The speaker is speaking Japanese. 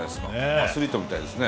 アスリートみたいですね。